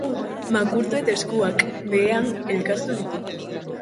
Makurtu eta eskuak behean elkartu ditu.